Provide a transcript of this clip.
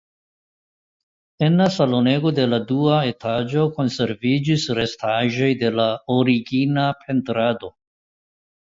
En la salonego de la dua etaĝo konserviĝis restaĵoj de la origina pentrado.